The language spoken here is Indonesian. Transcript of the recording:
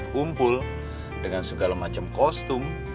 kumpul dengan segala macam kosong